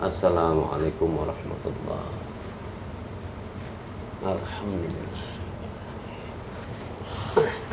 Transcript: assalamualaikum warahmatullahi wabarakatuh